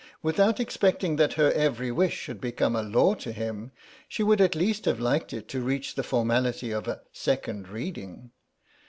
Without expecting that her every wish should become a law to him she would at least have liked it to reach the formality of a Second Reading.